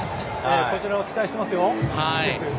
こちらも期待してますよ。